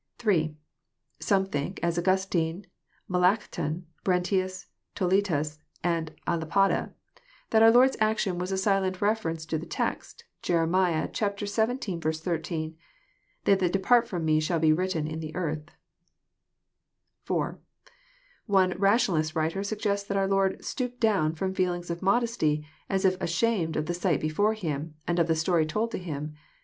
" (8) Some think, as Augustine, Melancthon, Brentius, Toletus, and k Lapide, that our Lord's action was a silent reference to the text, Jer. xvii. 13 :'^ They thatr depart from me shall be written in the earth.*' (4) One rationalist writer suggests that our Lord " stooped down " ft om feelings of modesty, as if ashamed of the sight before Him, and of the stoiy told to Him.